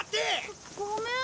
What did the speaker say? ごごめん。